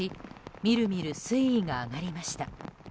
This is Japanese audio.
みるみる水位が上がりました。